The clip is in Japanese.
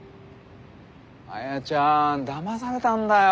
亜弥ちゃんだまされたんだよ